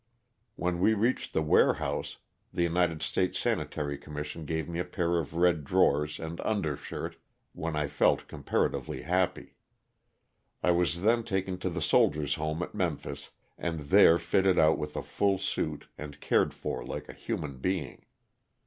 When we reached the warehouse the United States Sanitary Commission gave me a pair of red drawers and undershirt, when I felt comparatively happy. I was then taken to the Soldiers' Home at Memphis, and there fitted out with a full suit and cared for like a human being.